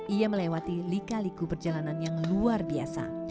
ia melewati lika liku perjalanan yang luar biasa